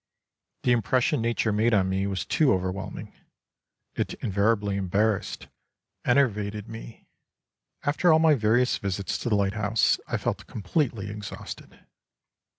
The impres sion nature made on me was too overwhelming ; it invari ably embarassed, enervated me ; after all my various visits to the lighthouse I felt completely exhausted.